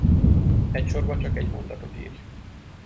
Egy sorba csak egy mondatot írj!